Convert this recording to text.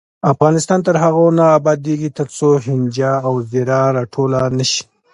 افغانستان تر هغو نه ابادیږي، ترڅو هینجه او زیره راټوله نشي.